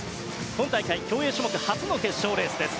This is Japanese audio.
今大会、競泳種目初の決勝レースです。